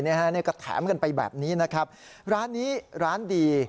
นี่ก็แถมกันไปแบบนี้นะครับร้านนี้ร้านดี